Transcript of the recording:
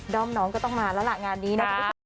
ด้อมน้องก็ต้องมาแล้วล่ะงานนี้นะ